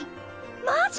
マジ！？